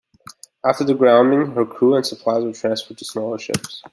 After the grounding her crew and supplies were transferred to smaller ships.